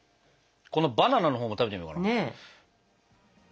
このバナナのほうも食べてみようかな。